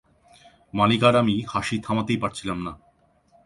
মনিক আর আমি হাঁসি থামাতেই পারছিলাম না।